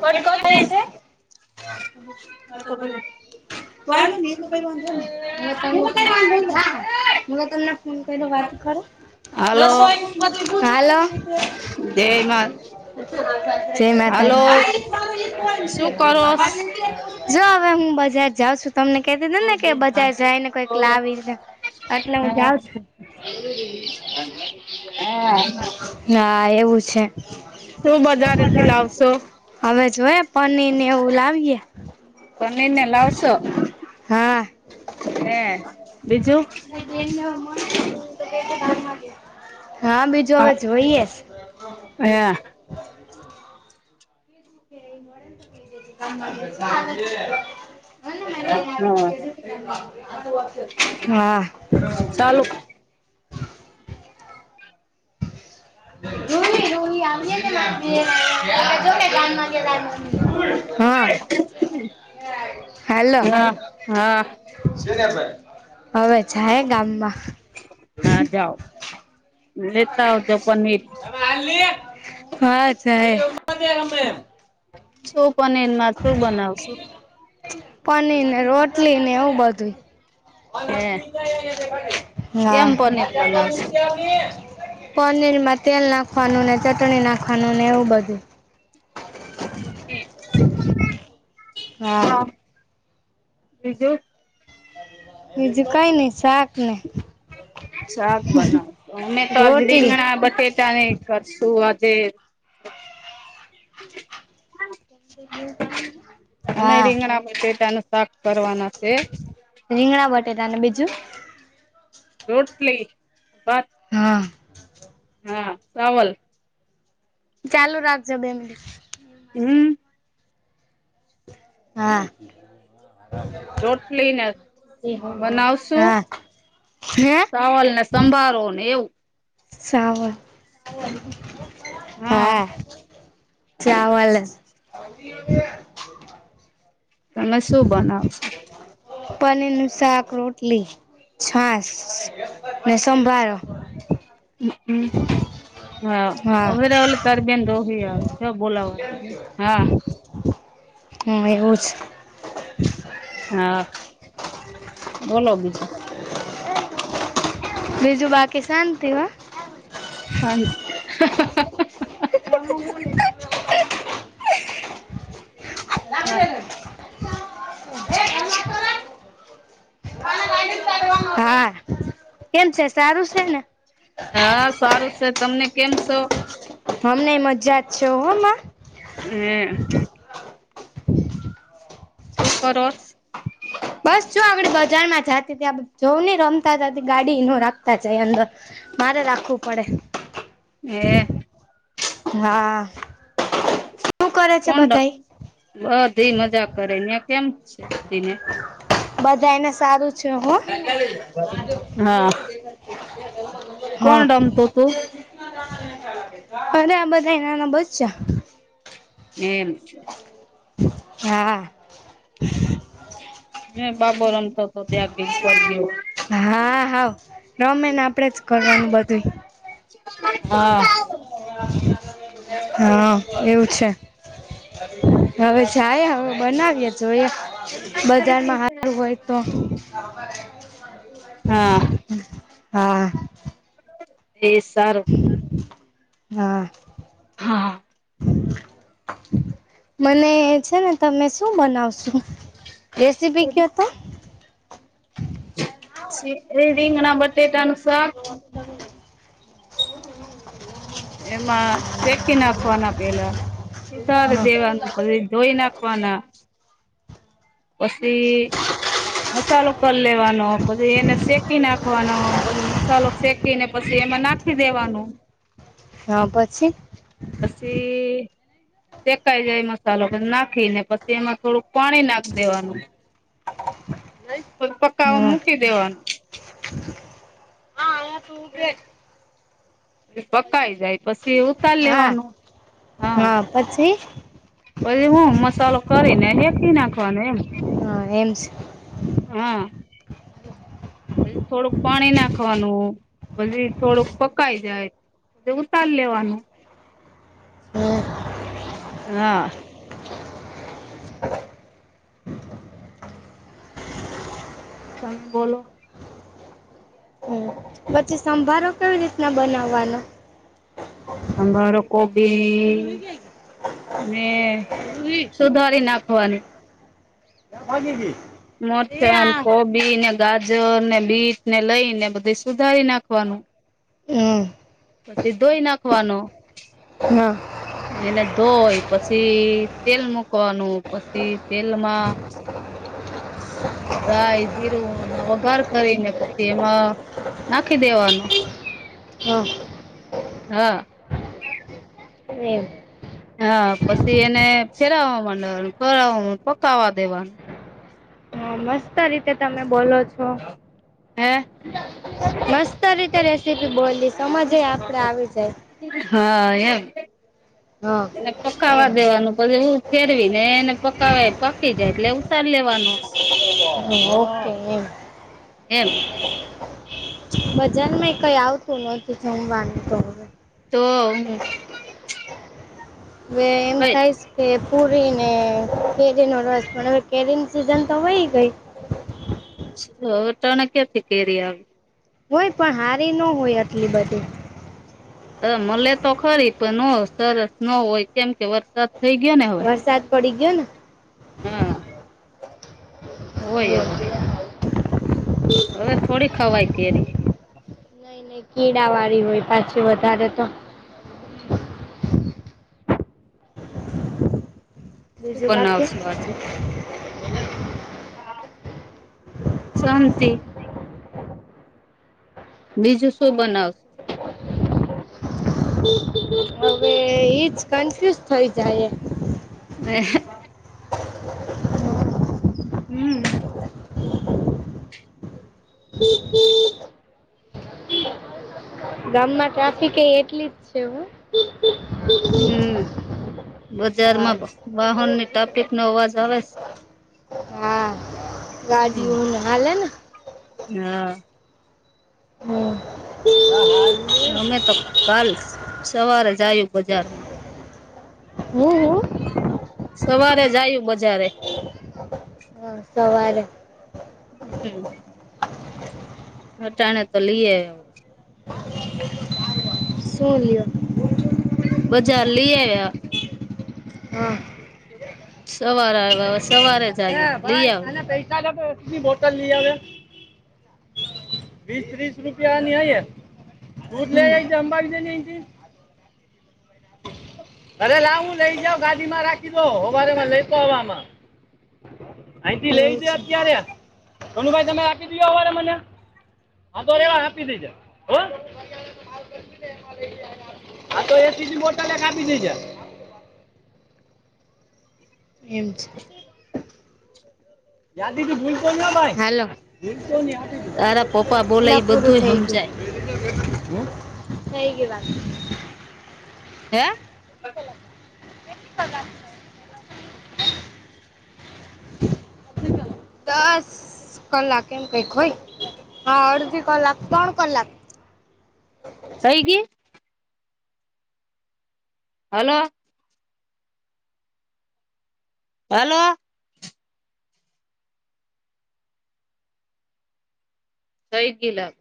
[unintelligible] [inaudible] વાંધો નહી એટ કઈ વાંધો નહી [unintelligible] હુ તમને ફોન કર્યો વાત કરો હાલો રસોઈનું હાલો જયમાં જય હાલો માતાજી શું કરો જો હવે હું બજાર જાઉં છું, તમને કેતીતી ને કે બજાર જાયને કઈક લાવીને એટલે હું જાઉં છું. ના એવું છે શું બજારે થી લાવશો હવે જોવે પનીરને એવું લાવીએ પનીર ને લાવસો [unintelligible] હા બીજું હવે જોઈએે. હા [inaudible] [unintelligible] હા ચાલુ રૂહી રૂહી આવીમાં [unintelligible] હા હાલો હા હા હવે જાય ગામમાં હા જાઓ લેતા આવજો પનીર હા જાય સુપ અને નટુ બનાવશું? પનીર ને રોટલી ને એવું બધું [unintelligible] હે ના કેમ પનીર બનાવશો પનીર માં તેલ નાખવાનું ને ચટણી નાખવાનું ને એવું બધું. [inaudible] હા હ બીજું. બીજું કઈ ની. શાક બનાવ, અમે તો આજ રોટલી રીંગણા બટે ટાને કરશું આજે. અમે હા રીંગણા બટેટાનું શાક... કરવાના હે. રીંગણા બટેટા અને બીજું? રોટલી. ભાત હા. હા ચાવલ. ચાલુ રાખજો બે મિનિટ. હમ. હા. રોટલી ને, બનાવશું? હા હે ચાવલ ને સંભારો ને એવું.. સાવર. હા ચાવલ. તમે શું બનાવશો? પનીર નું શાક રોટલી. છાસ, ને સંભારો. હ હમ. હા અરે ઓલે તાર બેન દોડતી આવે બોલાવા તો હા. હ એવું છે. હા બોલો બીજું. બીજું બાકી શાંતિ હો. [inaudible] હાહહ. [unintelligible] [unintelligible] હા કેમ છે? સારું છે ને? હા સારું સે ‌. તમને કેમ સો? હમને મજા જ છો હો ન. [unintelligible] શું કરો સ? બસ જો આપડે બજાર માં જાતી ત્યાં જવું નને રમતા જતી ગાડી ન રાખતા જાય અંદર. મારે રાખવું પડે. હે, હા, શું કરે છે કોણ બધા? બધી મજાક કરે, ને કેમ છે બધી ને? બધા એને સારું... છે હો હા, હા. કોણ રમતુ તું? અરે, આ બધા એ નાના બચ્ચા. એમ. હા. મે બાબો રમતો હતો ત્યાં બેસવા ગયો. હા હા રમે ને આપડે જ કરવાનું બધું. હા. હા, એવું છે. હવે જાય. હવે, બનાવીએ તોએ બજારમાં સારું હોય તો હા હા. એ જ સારું. હા. હા. મને છે ને, તમે શું બનાવશો? રેસીપી કયો હતો? એ રીગના બટેેકાનું શાક. હા. એમાં સેકી નાખવાના પહેલા, સુધારી હા દેવાનું. પછી ધોઈ નાખવાના. પછી હ [unintelligible] મસાલો કરી લેવાનો, પછી એને શેકી નાખવાનો, પછી મસાલો શેકીને, પછી એમાં નાખ ખી દેવાનું. હા, પછી પછી શેકાઈ જાય મસાલો નાખીને, પછી એમાં થોડુંક પાણી નાખ દેવાનું પ, પકાવા મૂકી દેવાનું. હા, આ ટૂપ પ પકાય જાય પછી, ઉતારી હા લેવાનું, હા. પછી હું, મસાલો કરીને હેકી નાખવાનો એમ. હ, એમ છે. હા. પછી થોડુંક પાણી નાખવાનું, પછી થોડુંક પકાઈ જાય. પ ઉતાર લેવાનું. હમ હા. તમે બોલો? હમ પછી સંભારો કેવી રીતના બનાવવાનો? સંભારો કોબી ને હ [unintelligible] સુધારી નાખવાનું. ભાગી ગેઈ. મરચાંને, કોબીને, ગાજરને, બીટને લઈને બધુ સુધારી નાખવાનું. હમ પછી ધોઈ નાખવાનું. હા. એને ધોઈ, પછી તેલ મુકવાનું, પછી તેલમાં હ [unintelligible] રાય જીરુંને વઘાર કરીને પછી એમાં નાખી દેવાનું. હા. હા. એમ. હા, પછી એને ફેરવવા માંડવાનું, ફેરવવા પકાવવા દેવાનું. હા, મસ્ત રીતે તમે બોલો છો, હે મસ્ત રીતે રેસીપી બોલીશ. હા, એમ. હા. એમ પકાવા દેવાનું પછી એ ફેરવી ને એને પકાવા પકી જાય એટલે ઉતારી લેવાનું. હ ઓકે હ. એમ બજારમાં કઈ આવતું નથી જમવાનું તો હવે. તો હું, હવે એમ કઈ થાય છે. કે પૂરીને કેરીનો રસ પણ હવે કેરીની સિઝન તો વઇ ગઈ. તો હવે અટાણે ક્યાંથી કેરી આવે. હોય પણ હારી ન હોય આટલી બધી. હ મલેે તો ખરી પણ ઓ સરસ ન હોય કેમ કે વરસાદ, થઈ ગયા ને, હવે વરસાદ પડી ગયો ને, હા, હોય એમ હોવે. હવે થોડી ખવાય કેરી. નઈ કીડા વાળી હોય પાછી વધારે તો. હમ. શું બીજું બાકી બનાવશુ આજે? શાંતિ. બીજું શું બનાવશો? [inaudible] હવે એજ કન્ફ્યુઝ થઈ જાયે. અહે. હમ. [inaudible] ગામમાં ટ્રાફિક એ એટલી જ છે હો. હમ હા બજારમાં વાહનની ટાપિક નો અવાજ આવે. હા ગાડિઓ હમ ને હાલે ને. હા. હમ. અમે તો કાલ સવારે જાયે બજારમાં. હું હું, સવારે જાયે બજારે. સવારે. હમ. [inaudible] અટાણે તો લઈ આયવા. શું લ્યો? બજાર લી આવ્યા. હા. સવાર આયવા હશે. હે ભાઈ આને ગઈકાલે તો એટલી મો બોટલ લય આવે વીસ વીસ રૂપિયાની અયે, હમ [unintelligible] અરે લાવ હું લઈ જા ગાડી માં રાખી દઉ હોવારેમાં લઈતો આવા હમાં. અયથી લે જો અત્યારે સોનુભાઈ તમે આપી દયો હવારે મને. હા તો રેવાર આપી દેજે હો. આ તો એસીજી બોટલ કાપી દઈ જે, એમ છે. યા દીદી ભૂલતોન ભાઈ હલો ભૂલતોની... તારા પપ્પા બોલા એ બધું સમજાય. હે થઈ ગઈ વાત, હે? [inaudible] દસ કલાક એમ કઈક હોય હા અડધી કલાક ત્રણ કલાક. થઈ ગઈ.. હલો. હલો. સઈ ગીલા...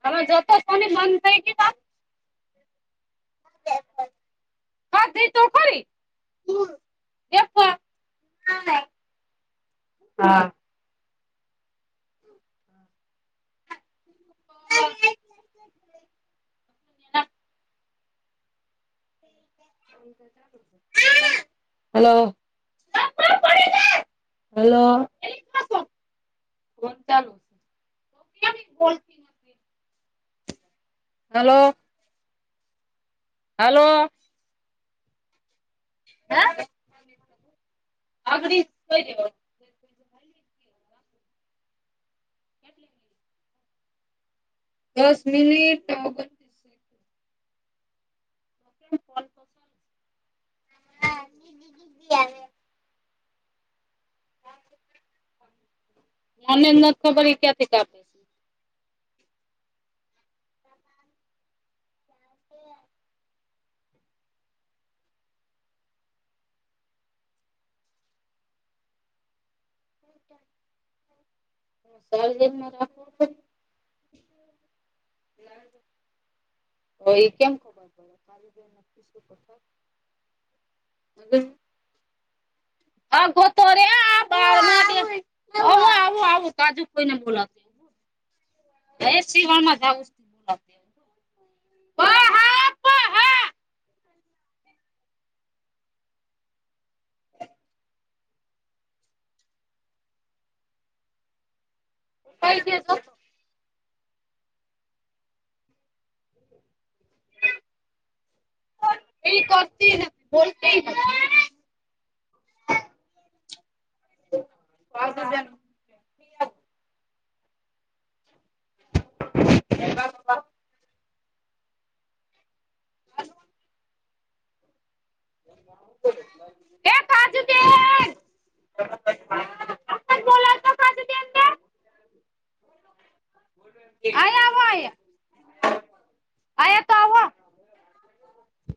તમામે જો તો [unintelligible] બંધ થ પ થઈકી ત... હ છે. કતો ખોરી એકવાર... હા. [inaudible] હલો. હલો. કો ચાલુ છે. હલો. હલો. હ અગઈ.. પલી... કેટલે... દસ મિનિટ... [inaudible] ફલ ફસલ... હાજી આવે. મને નથી ખબર એ ક્યાંથી કરી. હા. [unintelligible] એ કેમ ખબર પડે. હા. હ ગોતોરે આ... હા, આવું આવું કાજુ ફોઈને બોલાતું, એ સિવાળમાં જાવું છ... કઈજ તો... એ કરતી નથી બતે પાસજ... એ... આ છે. આ છે. અહીં આવો અહીં. [inaudible]